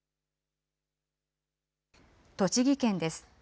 栃木県です。